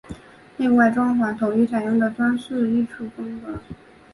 内外装潢统一采用装饰艺术风格。